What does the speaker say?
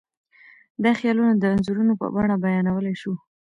دا خیالونه د انځورونو په بڼه بیانولی شو.